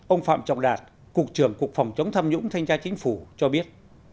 ông phạm trọng đạt cục trưởng cục phòng chống tham nhũng thanh tra chính phủ cho biết